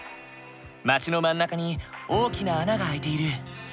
町の真ん中に大きな穴が開いている。